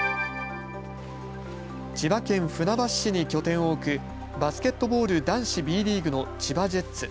千葉県船橋市に拠点を置くバスケットボール男子Ｂリーグの千葉ジェッツ。